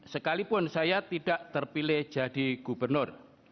sekalipun saya tidak terpilih jadi gubernur